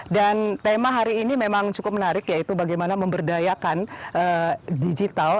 dan tema hari ini memang cukup menarik yaitu bagaimana memberdayakan digital